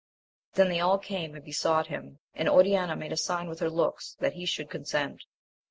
Then they all came and besought him, and Oriana made a sign with her looks that he should con sent.